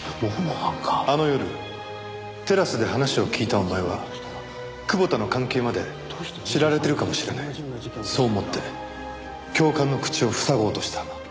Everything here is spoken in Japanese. あの夜テラスで話を聞いたお前は久保田の関係まで知られてるかもしれないそう思って教官の口を塞ごうとしたんだ。